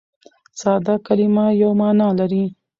ساده کلیمه یوه مانا لري.